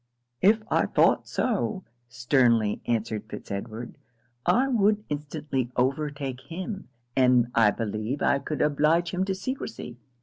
'If I thought so,' sternly answered Fitz Edward, 'I would instantly overtake him, and I believe I could oblige him to secresy.'